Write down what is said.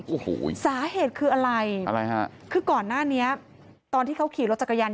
โอ้โหสาเหตุคืออะไรอะไรฮะคือก่อนหน้านี้ตอนที่เขาขี่รถจักรยาน